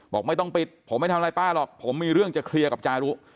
บอกไม่ต้องปิดผมไม่ทำอะไรป้าหรอกผมมีเรื่องจะเคลียร์กับจารุ